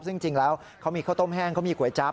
ซึ่งจริงแล้วเขามีข้าวต้มแห้งเขามีก๋วยจั๊บ